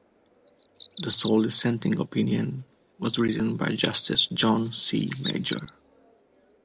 The sole dissenting opinion was written by Justice John C. Major.